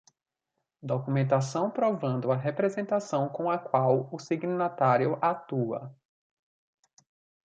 Documentação provando a representação com a qual o signatário atua.